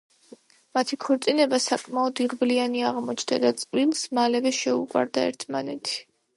მათი ქორწინება საკმაოდ იღბლიანი აღმოჩნდა და წყვილს მალევე შეუყვარდა ერთმანეთი.